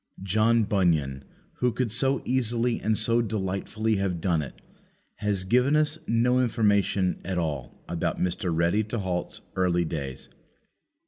John Bunyan, who could so easily and so delightfully have done it, has given us no information at all about Mr. Ready to halt's early days.